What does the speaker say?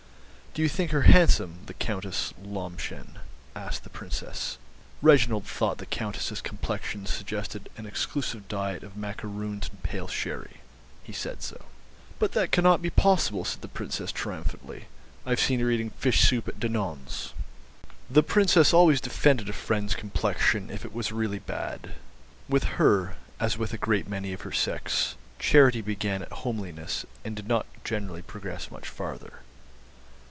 "Do you think her handsome, the Countess Lomshen?" asked the Princess. Reginald thought the Countess's complexion suggested an exclusive diet of macaroons and pale sherry. He said so. "But that cannot be possible," said the Princess triumphantly; "I've seen her eating fish soup at Donon's." The Princess always defended a friend's complexion if it was really bad. With her, as with a great many of her sex, charity began at homeliness and did not generally progress much farther.